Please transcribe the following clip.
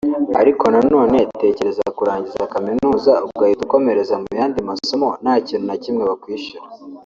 Ariko na none tekereza kurangiza kaminuza ugahita ukomereza mu yandi masomo nta kintu na kimwe bakwishyura